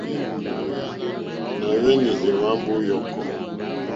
Nà hwànè èhwambo yɔ̀kɔ.